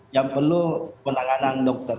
yang perlu penanganan dokter